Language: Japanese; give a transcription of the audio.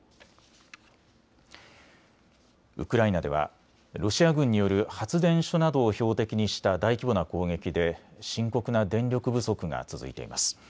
ウクライナではロシア軍による発電所などを標的にした大規模な攻撃で深刻な電力不足が続いています。